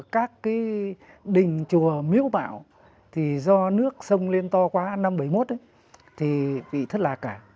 cái đình chùa miếu bão thì do nước sông lên to quá năm bảy mươi một ấy thì bị thất lạc cả